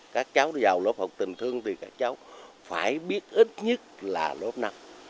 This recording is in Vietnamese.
các cháu vào lớp học tình thương thì các cháu phải biết ít nhất là lớp năm